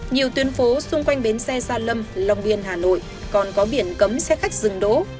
nhiều tuyến phố xung quanh bến xe gia lâm long biên hà nội còn có biển cấm xe khách dừng đỗ